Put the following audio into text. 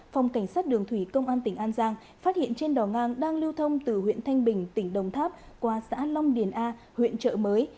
phòng cảnh sát đường thủy công an tỉnh an giang phát hiện trên đò ngang đang lưu thông từ huyện thanh bình tỉnh đồng tháp qua xã long điền a huyện trợ mới